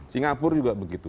singapura juga begitu